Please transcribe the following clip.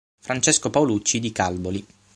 Francesco Paulucci di Calboli